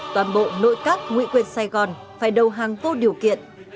toàn bộ nội các nguyện quyền sài gòn phải đầu hàng vô điều kiện